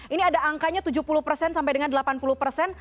ini ada angkanya tujuh puluh sampai dengan delapan puluh